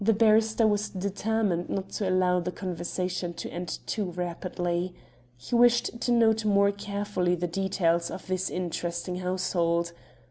The barrister was determined not to allow the conversation to end too rapidly. He wished to note more carefully the details of this interesting household.